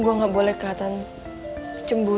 duh kok gue malah jadi mikir macem macem gini ya